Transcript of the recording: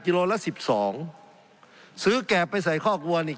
โลละสิบสองซื้อแกบไปใส่ข้อกลัวนี่